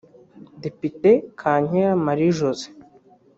Depite Kankera Marie Josée